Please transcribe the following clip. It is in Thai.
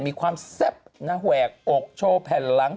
มีความแซ่บนะแหวกอกโชว์แผ่นหลัง